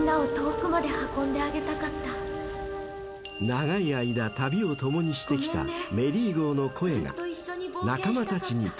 ［長い間旅を共にしてきたメリー号の声が仲間たちに届いたのです］